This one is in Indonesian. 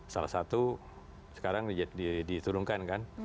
salah satu sekarang diturunkan kan